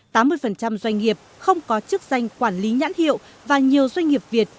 tám mươi doanh nghiệp không có chức danh quản lý nhãn hiệu và nhiều doanh nghiệp việt